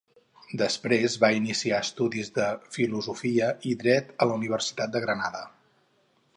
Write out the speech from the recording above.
Després va iniciar estudis de Filosofia i Dret a la Universitat de Granada.